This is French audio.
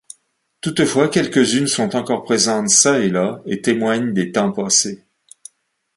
Toutefois, quelques-unes sont encore présentes çà et là et témoignent des temps passés.